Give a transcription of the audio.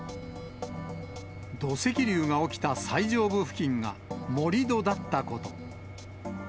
土石流が起きた最上部付近が、盛り土だったこと。